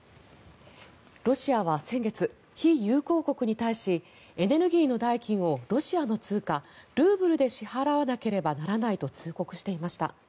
ロシアは先月、非友好国に対しエネルギーの代金をロシアの通貨・ルーブルで支払わなければならないと通告していました。